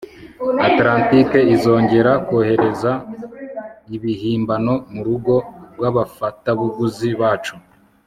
Atlantike izongera kohereza ibihimbano murugo rwabafatabuguzi bacu